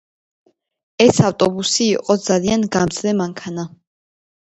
ეს ავტობუსი იყო ძალიან გამძლე მანქანა.